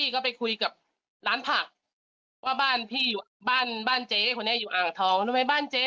เค้าก็เหมือนไม่พอใจ